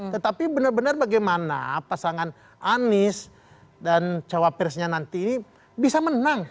tetapi benar benar bagaimana pasangan anies dan cawapresnya nanti ini bisa menang